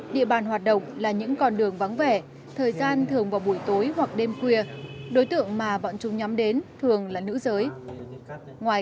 địa bàn hoạt động là những con đường vắng vẻ thời gian thường vào buổi tối hoặc đêm khuya đối tượng mà bọn chúng nhắm đến thường là nữ giới